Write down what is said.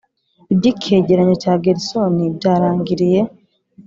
iby'icyegeranyo cya gersony byarangiriye.